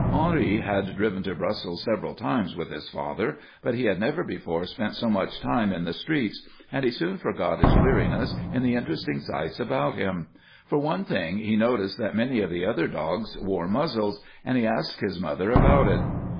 Henri had driven to Brussels several times with his father, but he had never before spent so much time in the streets, and he soon forgot his weariness in the interesting sights about him. For one thing, he noticed that many of the other dogs wore muzzles, and he asked his mother about it.